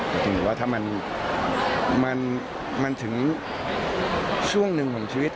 ผมว่าถ้ามันถึงช่วงหนึ่งของชีวิต